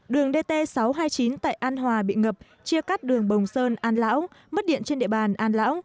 đường dt sáu trăm hai mươi chín tại an hòa bị ngập chia cắt đường bồng sơn an lão mất điện trên địa bàn an lão